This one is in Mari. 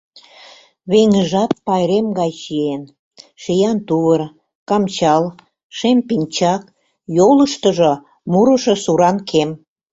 Веҥыжат пайрем гай чиен: шиян тувыр, камчал, шем пинчак, йолыштыжо — мурышо суранкем.